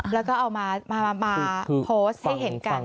แล้วก็เอามาโพสต์ให้เห็นกัน